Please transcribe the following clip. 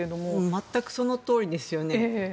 全くそのとおりですよね。